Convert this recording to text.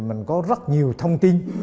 mình có rất nhiều thông tin